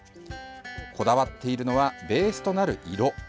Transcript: こだわっているのはベースとなる色。